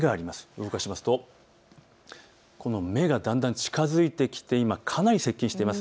動かしますとこの目がだんだん近づいてきて今かなり接近しています。